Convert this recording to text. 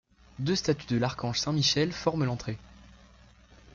Deux statues de l'Archange Saint-Michel forment l'entrée.